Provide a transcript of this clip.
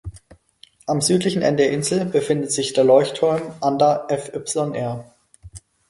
Am südlichen Ende der Insel befindet sich der Leuchtturm Anda fyr.